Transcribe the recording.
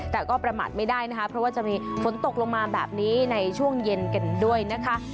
แต่ก็ประมาทไม่ได้นะคะเพราะว่าจะมีฝนตกลงมาแบบนี้ในช่วงเย็นกันด้วยนะคะ